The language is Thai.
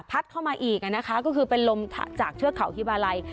เข้ามาอีกนะคะก็คือเป็นลมจากเทือกเขาฮิบาลัย